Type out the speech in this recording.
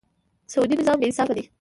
سودي نظام بېانصافه دی.